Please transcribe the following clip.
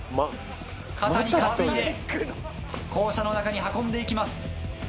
肩に担いで校舎の中に運んで行きます。